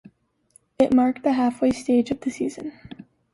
It marked the halfway stage of the season.